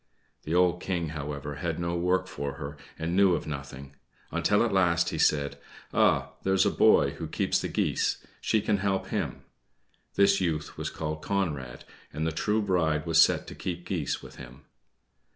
The old King, however, had no work for her, and knew of nothing; until at last he said, "Ah! there is a boy who keeps the geese: she can help him." This youth was called Conrad, and the true bride was set to keep geese with him.